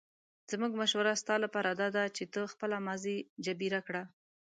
زموږ مشوره ستا لپاره داده چې ته خپله ماضي جبیره کړه.